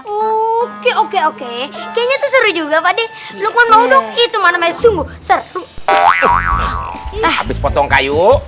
oke oke oke kayaknya tuh seru juga padi belum mau dong itu manasungguh seru habis potong kayu